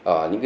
ở những đôi